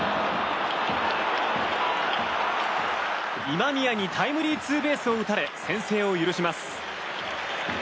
今宮にタイムリーツーベースを打たれ先制を許します。